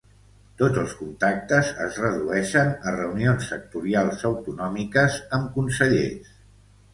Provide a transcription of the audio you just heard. Tots els contactes es redueixen a reunions sectorials autonòmiques amb consellers.